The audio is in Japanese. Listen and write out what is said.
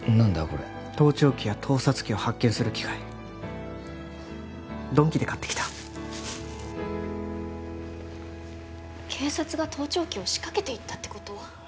これ盗聴器や盗撮器を発見する機械「ドンキ」で買ってきた警察が盗聴器を仕掛けていったってこと！？